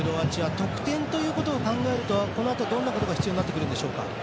得点ということを考えるとこのあとどんなことが必要になってくるんでしょうか？